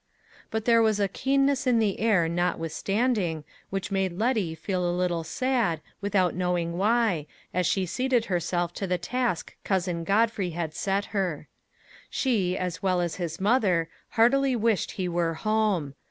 But there was a keenness in the air notwithstanding, which made Letty feel a little sad without knowing why, as she seated herself to the task Cousin Godfrey had set her. She, as well as his mother, heartily wished he were home.